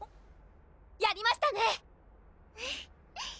・やりましたね！